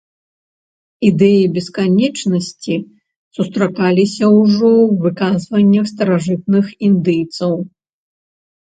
Ідэі бесканечнасці сустракаліся ўжо ў выказваннях старажытных індыйцаў.